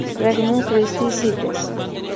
Regnum Christi Sites